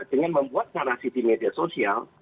dengan membuat narasi di media sosial